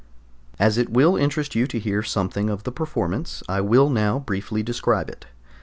As it will interest you to hear something of the performance, I will now briefly describe it.